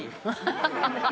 「ハハハハ！」